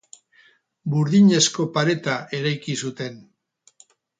Burdinezko pareta eraiki zuten.